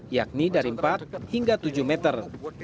yakni dari empat hingga tujuh meter